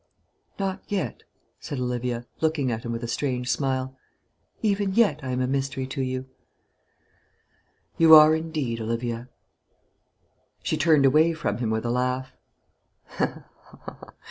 "Not yet?" said Olivia, looking at him with a strange smile. "Even yet I am a mystery to you?" "You are, indeed, Olivia." She turned away from him with a laugh.